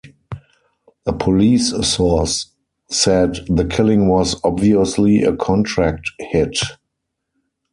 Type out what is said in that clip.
A police source said the killing was "obviously a contract hit."